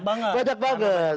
karena banyak banget